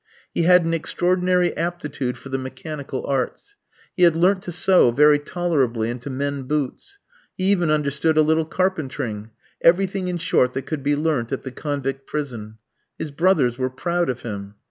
He had an extraordinary aptitude for the mechanical arts. He had learnt to sew very tolerably, and to mend boots; he even understood a little carpentering everything in short that could be learnt at the convict prison. His brothers were proud of him.